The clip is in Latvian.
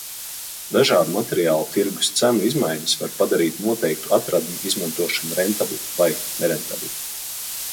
Dažādu materiālu tirgus cenu izmaiņas var padarīt noteiktu atradņu izmantošanu rentablu vai nerentablu.